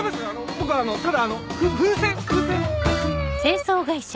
僕はただあの風船風船。